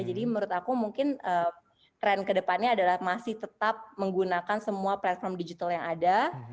jadi menurut aku mungkin tren kedepannya adalah masih tetap menggunakan semua platform digital yang ada